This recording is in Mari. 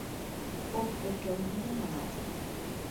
Ом ӧпкеле нигӧланат